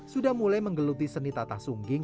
sudah mulai menggeluti seni tatah sungging